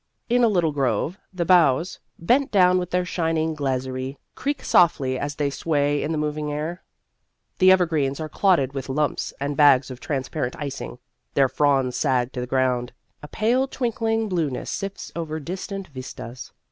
In a little grove, the boughs, bent down with their shining glaziery, creak softly as they sway in the moving air. The evergreens are clotted with lumps and bags of transparent icing, their fronds sag to the ground. A pale twinkling blueness sifts over distant vistas.